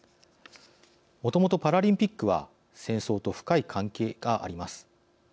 もともとパラリンピックは戦争と深い関係があります。